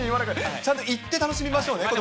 ちゃんと行って楽しみましょうね、ことし。